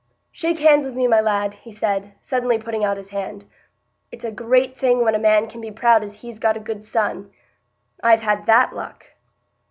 "Shake hands wi' me, my lad," he said, suddenly putting out his hand. "It's a great thing when a man can be proud as he's got a good son. I've had that luck."